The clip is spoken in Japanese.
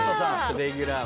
レギュラー。